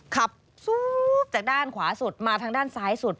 ซูบจากด้านขวาสุดมาทางด้านซ้ายสุด